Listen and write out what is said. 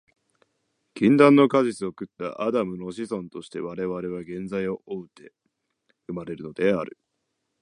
禁断の果実を食ったアダムの子孫として、我々は原罪を負うて生まれるのである。